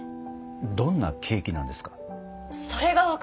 どんなケーキなんですか？